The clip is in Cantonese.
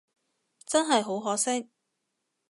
真係好可惜